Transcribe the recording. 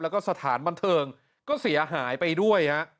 แล้วก็สถานบันเทิงก็เสียหายไปด้วยฮะ